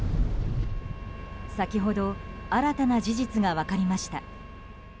先ほど新たな事実が分かりました。